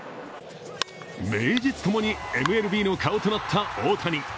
名実ともにＭＬＢの顔となった大谷。